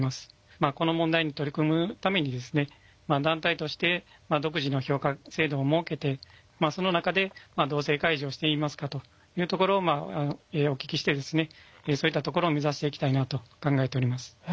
この問題に取り組むために団体として独自の評価制度を設けてその中で同性介助をしていますかというところをお聞きしてそういったところを目指していきたいなと考えております。